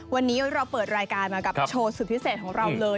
วันนี้เราเปิดรายการมากับโชว์สุดพิเศษของเราเลย